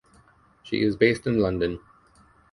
She is based in London.